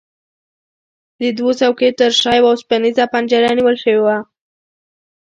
د دوو څوکیو ترشا یوه اوسپنیزه پنجره نیول شوې وه.